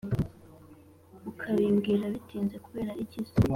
Ukabimbwira bitinze kubera iki se